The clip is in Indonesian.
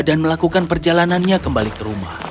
dan melakukan perjalanannya kembali ke rumah